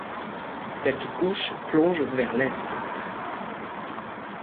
Cette couche plonge vers l'est.